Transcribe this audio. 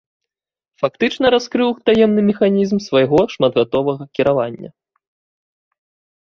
Фактычна раскрыў таемны механізм свайго шматгадовага кіравання.